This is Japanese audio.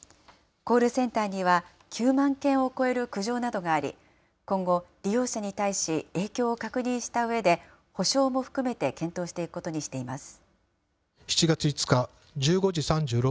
コールセンターには、９万件を超える苦情などがあり、今後、利用者に対し、影響を確認したうえで、補償も含めて検討していくことにしています。